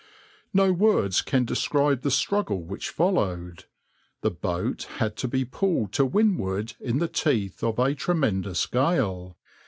\par "No words can describe the struggle which followed. The boat had to be pulled to windward in the teeth of a tremendous gale.